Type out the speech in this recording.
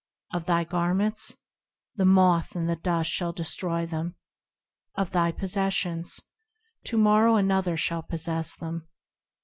Of thy garments ? The moth and the dust shall destroy them. Of thy possessions ? To morrow another shall possess them.